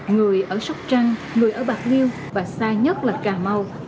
người ở sóc trăng người ở bạc liêu và xa nhất là cà mau